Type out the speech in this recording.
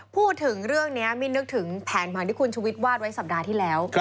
พูดถึงเรื่องนี้มินนึกถึงแผนผังที่คุณชุวิตวาดไว้สัปดาห์ที่แล้ว